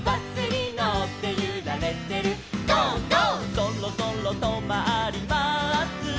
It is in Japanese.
「そろそろとまります」